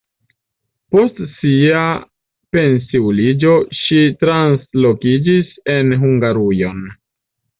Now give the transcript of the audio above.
Post sia pensiuliĝo ŝi translokiĝis en Hungarujon.